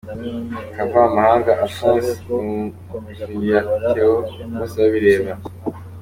Ubucuruzi bw’ibyuma bishaje bukomeje gukurura ubujura